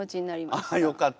あっよかった。